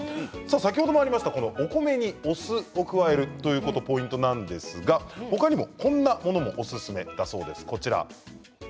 先ほどもありましたお米にお酢を加えるということがポイントなんですが他にもこんなものがおすすめです。